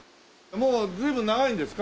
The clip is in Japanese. もう随分長いんですか？